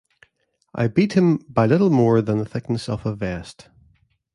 I beat him by little more than the thickness of a vest.